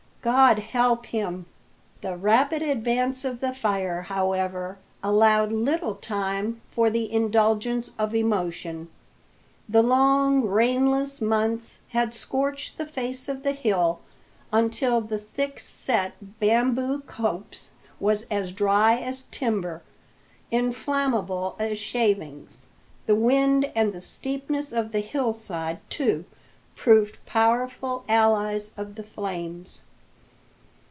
"God help him!" The rapid advance of the fire, however, allowed little time for the indulgence of emotion. The long rainless months had scorched the face of the hill until the thick set bamboo copse was as dry as tinder, inflammable as shavings. The wind and the steepness of the hillside, too, proved powerful allies of the flames.